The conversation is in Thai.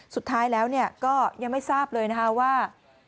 สุดท้ายแล้วก็ยังไม่ทราบเลยนะคะว่า